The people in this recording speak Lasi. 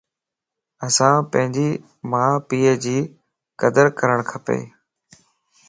اسان پنجي مان پي جي قدر ڪرڻ کپَ